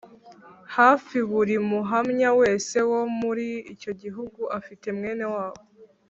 Hafi buri Muhamya wese wo muri icyo gihugu afite mwene wabo